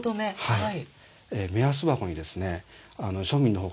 はい。